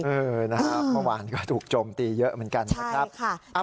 เมื่อวานก็ถูกจมตีเยอะเหมือนกันนะครับ